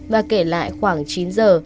và kể lại khoảng chín giờ